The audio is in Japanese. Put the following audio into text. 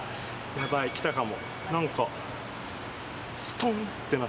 ヤバいきたかも。